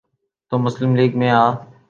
تو مسلم لیگ میں آ۔